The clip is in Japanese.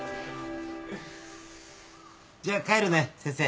じゃあ帰るね先生。